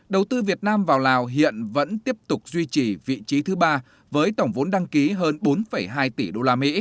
đầu tư việt nam vào lào hiện vẫn tiếp tục duy trì vị trí thứ ba với tổng vốn đăng ký hơn bốn hai tỷ usd